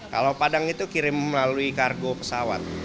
kalau padang itu kirim melalui kargo pesawat